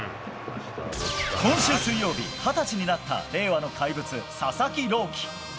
今週水曜日、二十歳になった令和の怪物、佐々木朗希。